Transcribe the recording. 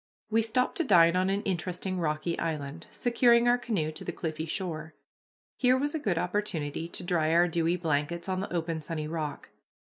We stopped to dine on an interesting rocky island, securing our canoe to the cliffy shore. Here was a good opportunity to dry our dewy blankets on the open sunny rock.